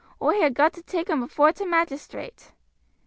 Oi ha' got to take him afore t' magistrate."